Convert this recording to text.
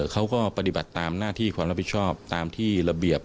เขาก็ปฏิบัติตามหน้าที่ความรับผิดชอบตามที่ระเบียบ